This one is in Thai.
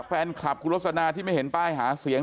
แฟนคลับคุณลสนาที่ไม่เห็นป้ายหาเสียง